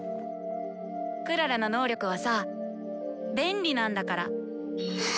クララの能力はさ便利なんだから。